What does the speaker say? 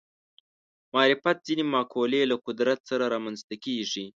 معرفت ځینې مقولې له قدرت سره رامنځته کېږي